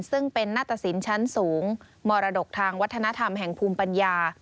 ซึ่งเป็นหน้าตสินชั้นสูงมรดกทางวัฒนธรรมแห่งภูมิปัญญา